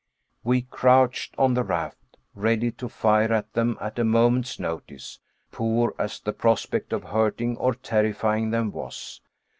We crouched on the raft ready to fire at them at a moment's notice, poor as the prospect of hurting or terrifying them was.